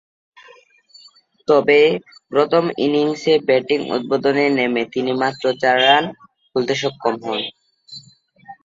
তবে, প্রথম ইনিংসে ব্যাটিং উদ্বোধনে নেমে তিনি মাত্র চার রান তুলতে সক্ষম হন।